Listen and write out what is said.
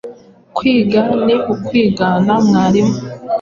Kwiga ni ukwigana mwaramu